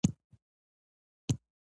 سپین ږیری د خپل کلتور ژغورونکي دي